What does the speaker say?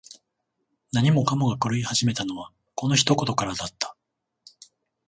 何もかもが狂い始めたのは、この一言からだった。